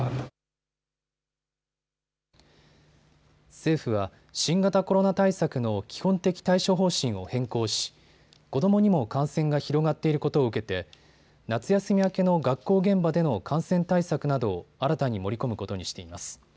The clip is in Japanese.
政府は新型コロナ対策の基本的対処方針を変更し子どもにも感染が広がっていることを受けて夏休み明けの学校現場での感染対策などを新たに盛り込むことにしています。